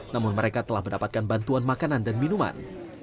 namun mereka telah mendapatkan bantuan makanan dan minuman